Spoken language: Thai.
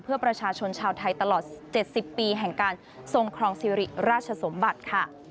เพื่อประชาชนชาวไทยตลอด๗๐ปีแห่งการทรงครองสิริราชสมบัติค่ะ